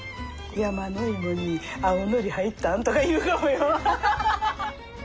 山の芋に青のり入ったん？とか言うかもよ。